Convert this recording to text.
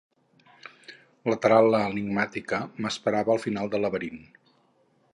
La taral·la enigmàtica m'esperava al final del laberint.